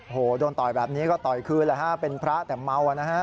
โอ้โหโดนต่อยแบบนี้ก็ต่อยคืนแล้วฮะเป็นพระแต่เมาอ่ะนะฮะ